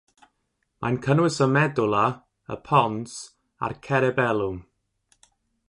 Mae'n cynnwys y medwla, y pons, a'r cerebelwm.